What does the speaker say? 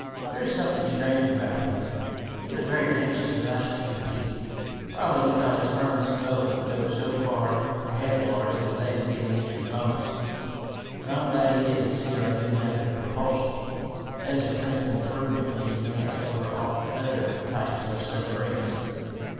"There is something strange about him. He was very anxious that I should compete. Probably he thought his firm's boat would go so far ahead of ours that they would get an extra bonus. But I'm glad he didn't see our new method of propulsion. That is the principal improvement in the Advance over other types of submarines.